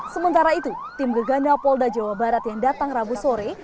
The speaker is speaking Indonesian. sementara itu tim gegana polda jawa barat yang datang rabu sore